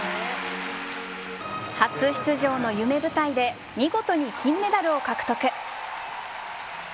初出場の夢舞台で見事に金メダルを獲得。